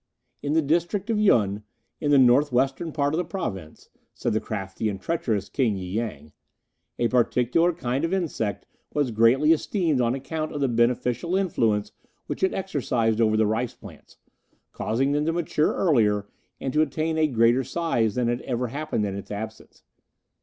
In the district of Yun, in the north western part of the Province, said the crafty and treacherous King y Yang, a particular kind of insect was greatly esteemed on account of the beneficent influence which it exercised over the rice plants, causing them to mature earlier, and to attain a greater size than ever happened in its absence.